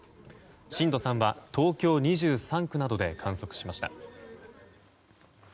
震度３は東京２３区などで観測しました。